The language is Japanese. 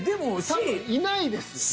多分いないですよ。